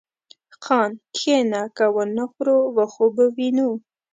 خان! کښينه که ونه خورو و خو به وينو.